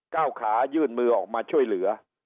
ก้าวขายื่นมือออกมาช่วยเหลือ